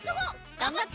がんばって！